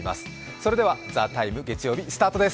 それでは「ＴＨＥＴＩＭＥ，」月曜日スタートです。